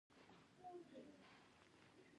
په دوی کې شرم نه دی او په مجلس کې ټیز کوي.